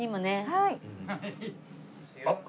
はい。